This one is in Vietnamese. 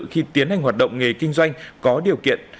khi tiến hành hoạt động nghề kinh doanh có điều kiện